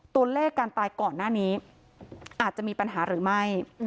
ตัวเลขการตายก่อนหน้านี้อาจจะมีปัญหาหรือไม่